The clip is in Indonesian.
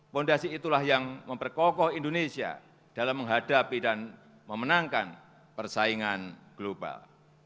fondasi itulah yang memperkokoh indonesia dalam menghadapi dan memenangkan persaingan global